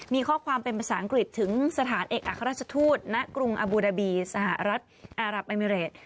มีข้อความเป็นภาษาอังกฤษถึงสถานเอกอัครราชทูตณกรุงอบูดาบีสหรัฐอารับเอมิเรต